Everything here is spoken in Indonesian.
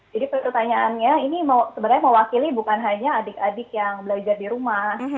jadi pertanyaannya ini sebenarnya mewakili bukan hanya adik adik yang belajar di rumah